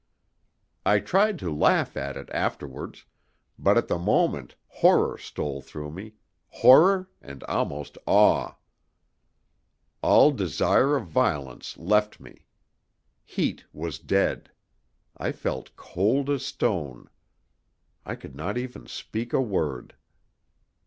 I tried to laugh at it afterwards, but at the moment horror stole through me horror, and almost awe. All desire of violence left me. Heat was dead; I felt cold as stone. I could not even speak a word.